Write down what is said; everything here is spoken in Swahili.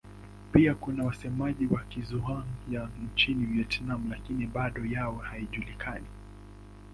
Pia kuna wasemaji wa Kizhuang-Yang nchini Vietnam lakini idadi yao haijulikani.